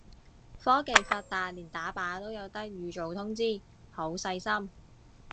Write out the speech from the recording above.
科技發達連打靶都有得預早通知，好細心